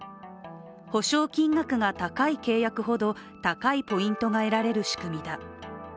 保障金額が高い契約ほど高いポイントが得られる仕組みだ。